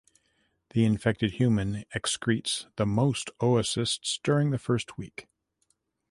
The infected human excretes the most oocysts during the first week.